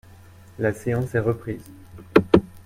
La séance est reprise.